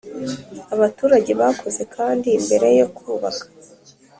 abaturage bakoze kandi mbere yo kubaka